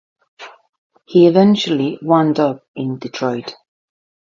He eventually wound up in Detroit.